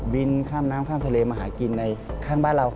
บินข้ามน้ำข้ามทะเลมาหากินในข้างบ้านเรา